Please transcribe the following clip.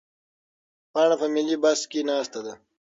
پاڼه په ملي بس کې ناسته ده.